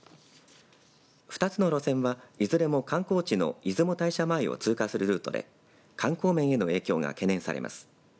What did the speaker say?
２つの路線はいずれも観光地の出雲大社前を通過するルートで観光面への影響が懸念されます。